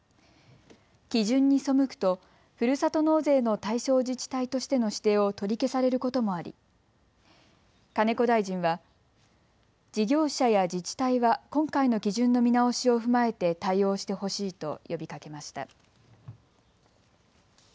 基準に背くとふるさと納税の対象自治体としての指定を取り消されることもあり金子大臣は事業者や自治体は今回の基準の見直しを踏まえて対応してほしいと呼びかけました。